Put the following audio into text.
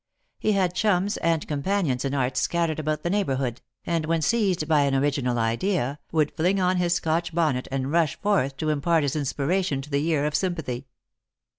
He had chums and companions in arts scattered about the neighbourhood, and 24s Lost for Love. when seized by an original idea, would fling on his Scotch bonnet and rush forth to impart his inspiration to the ear of sympathy.